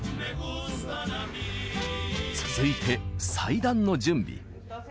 続いて祭壇の準備